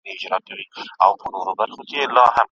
ملا وکتله خپل عقل ته پړ سو